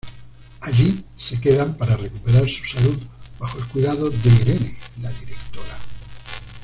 Allí se quedan para recuperar su salud bajo el cuidado de Irene, la directora.